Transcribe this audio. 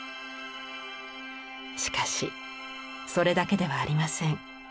しかしそれだけではありません。